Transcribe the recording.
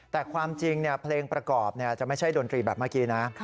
แต่ความจริงเพลงประกอบจะไม่ใช่ดนตรีแบบเมื่อกี้นะ